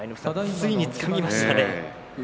ついにつかみましたね。